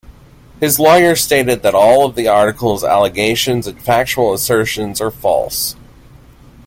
His lawyer stated that all of the articles' allegations and factual assertions are false.